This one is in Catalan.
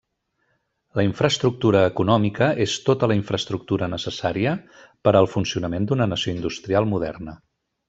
La infraestructura econòmica és tota la infraestructura necessària per al funcionament d'una nació industrial moderna.